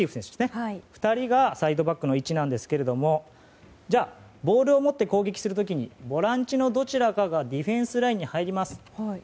この２人がサイドバックの位置ですがボールを持って攻撃する時にボランチのどちらかがディフェンスラインに入ります。